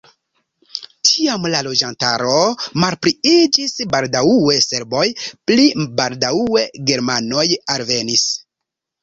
Tiam la loĝantaro malpliiĝis, baldaŭe serboj, pli baldaŭe germanoj alvenis.